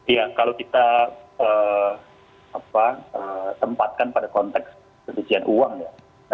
iya kalau kita tempatkan pada konteks kebijakan uang ya